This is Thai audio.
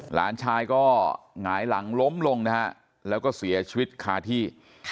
หลานชายก็หงายหลังล้มลงนะฮะแล้วก็เสียชีวิตคาที่